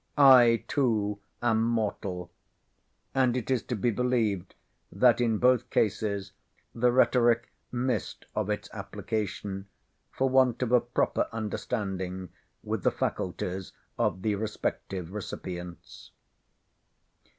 "I too am mortal." And it is to be believed that in both cases the rhetoric missed of its application, for want of a proper understanding with the faculties of the respective recipients.